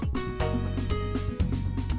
để nhận thêm